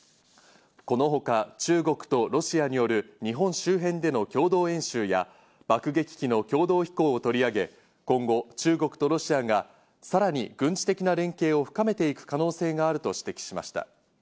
このほか中国とロシアによる日本周辺での共同演習や、爆撃機の共同飛行を取り上げ、今後、中国とロシアがさらに軍事的な連携を深めていく可能性があると指摘しました。